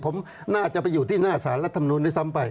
ผมน่าจะไปอยู่ที่หน้าสารรัฐมนุนด้วยซ้ำไป